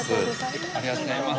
ありがとうございます。